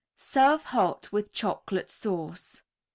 Serve hot with Chocolate Sauce.